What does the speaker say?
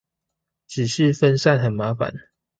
只是分散很麻煩